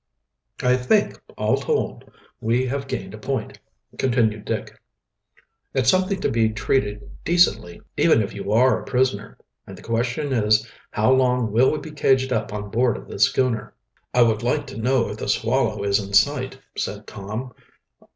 "I think, all told, we have gained a point," continued Dick. "It's something to be treated decently, even if you are a prisoner. The question is, how long will we be caged up on board of the schooner?" "I would like to know if the Swallow is in sight," said Tom.